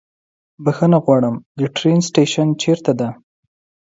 بښنه غواړم، د ټرين سټيشن چيرته ده؟